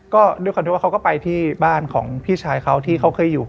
ก็ถือว่าเขาไปที่บ้านของพี่ชายเขาที่เคยอยู่